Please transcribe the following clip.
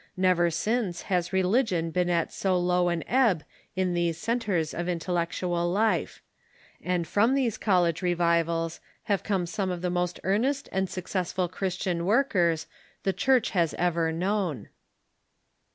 Xever since has religion been at so low an ebb in these centres of in tellectual life ; and from these college revivals have come some of the most earnest and successful Christian workers the Church has ever known.